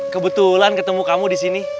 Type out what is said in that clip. kebetulan ketemu kamu disini